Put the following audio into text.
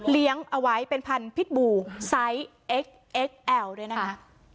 เอาไว้เป็นพันธุ์พิษบูไซส์เอ็กซเอ็กซแอลด้วยนะคะ